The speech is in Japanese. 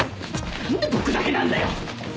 何で僕だけなんだよ。